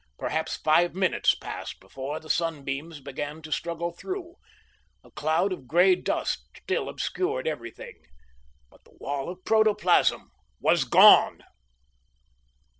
Perhaps five minutes passed before the sunbeams began to struggle through. A cloud of grey dust still obscured everything. But the wall of protoplasm was gone!